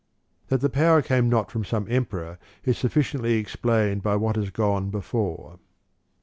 5. That the power came not from some Em peror is sufficiently explained by what has gone before.